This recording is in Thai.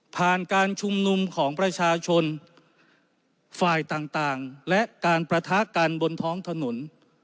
การชุมนุมของประชาชนฝ่ายต่างและการประทะกันบนท้องถนน